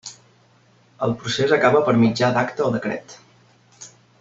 El procés acaba per mitjà d'acte o decret.